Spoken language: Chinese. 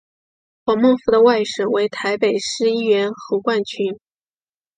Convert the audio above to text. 黄孟复的外甥为台北市议员侯冠群。